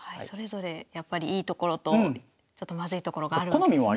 それぞれやっぱりいいところとちょっとまずいところがあるわけですね。